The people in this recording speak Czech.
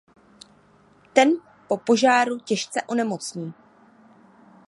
Ten po požáru těžce onemocnění.